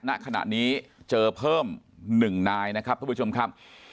ณขณะนี้เจอเพิ่ม๑นายนะครับทุกผู้ชมครับ